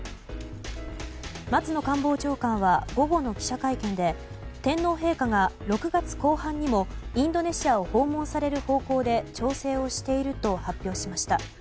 松野官房長官は午後の記者会見で天皇陛下が６月後半にもインドネシアを訪問される方向で調整をしていると発表しました。